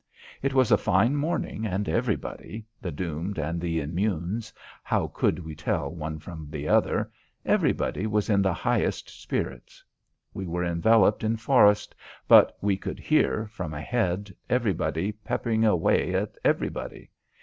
It was a fine morning and everybody the doomed and the immunes how could we tell one from the other everybody was in the highest spirits. We were enveloped in forest, but we could hear, from ahead, everybody peppering away at everybody.